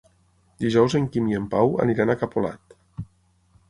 Dijous en Quim i en Pau aniran a Capolat.